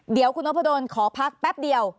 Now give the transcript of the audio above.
เดี๋ยวคุณนพดลขอพักแป๊บเดียว